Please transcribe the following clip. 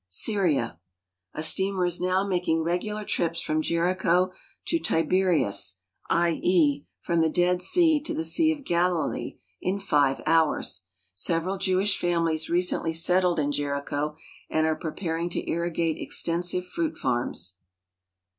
Syria. A steamer is now making regular trips from Jericho to Tiberias— %. e., from the Dead Sea to the Sea of Galilee— in five hours. Several Jewish families recently settled in Jericho and are preparing to irrigate extensive fruit farms.